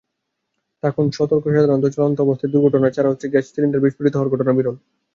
থাকুন সতর্কসাধারণত চলন্ত অবস্থায় দুর্ঘটনা ছাড়া গ্যাস সিলিন্ডার বিস্ফোরিত হওয়ার ঘটনা বিরল।